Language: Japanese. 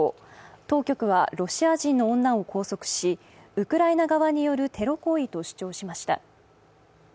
当局はロシア人の女を拘束し、ウクライナ側によるテロ行為と主張しました。